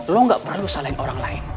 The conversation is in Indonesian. lo gak perlu salahin orang lain